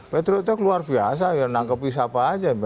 patriot itu luar biasa ya nangkep wisata aja